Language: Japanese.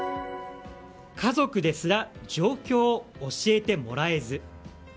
家族ですら状況を教えてもらえず。